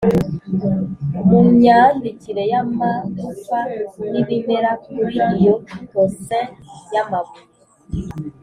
mumyandikire yamagufa nibimera kuri iyo tocsin yamabuye